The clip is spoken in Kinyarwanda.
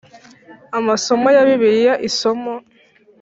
Amasomo ya Bibiliya isomo